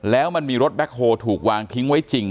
แล้วมันมีรถแบ็คโฮลถูกวางทิ้งไว้จริง